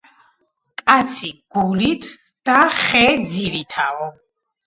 კაცი გულით და ხე ძირითაო